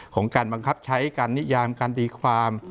ของการบังคับใช้การนิยามการตีความ